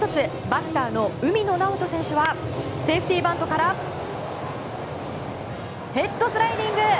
バッターの海野直大選手はセーフティーバントからヘッドスライディング！